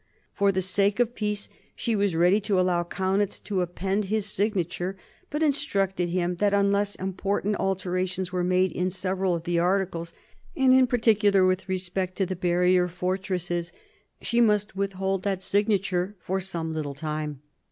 For the sake of peace she was ready to allow Kaunitz to append his signature, but instructed him that unless important alterations were made in several of the articles, and in particular with respect to the Barrier fortresses, he must withhold that signature for some little time.